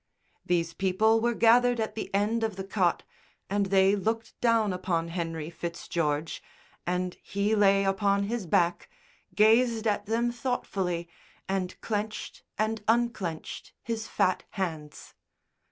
These people were gathered at the end of the cot, and they looked down upon Henry Fitzgeorge, and he lay upon his back, gazed at them thoughtfully, and clenched and unclenched his fat hands.